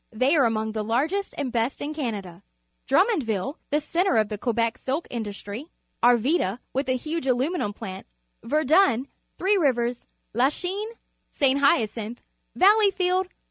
They are among the largest and best in Canada. Drummondi'ille, the centre of the Quebec silk industrj^, Annda, with a huge aluminum plant, Verdun, Three Rivers, Lachinc, St.Hyn cinihe, Valley field.